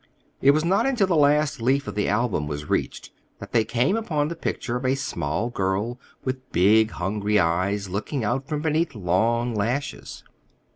It was not until the last leaf of the album was reached that they came upon the picture of a small girl, with big, hungry eyes looking out from beneath long lashes.